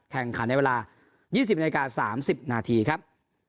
แข่งขันในเวลา๒๐นาที๓๐นาทีครับ